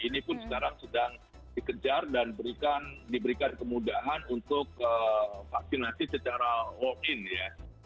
ini pun sekarang sedang dikejar dan diberikan kemudahan untuk vaksinasi secara walk in ya